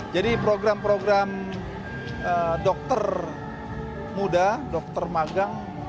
jadi program program dokter muda dokter magang